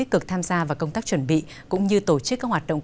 chuẩn bị cũng như tổ chức các hoạt động